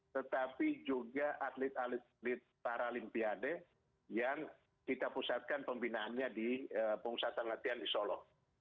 tetapi juga atlet atlet paralimpiade yang kita pusatkan pembinaannya di pengusahaan latihan di solo